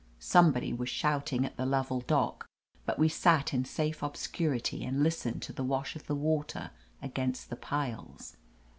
Somebody was shouting at the Lovell dock, but we sat In safe obscurity and listened to the wash of the water against the piles.